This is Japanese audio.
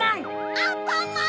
アンパンマン！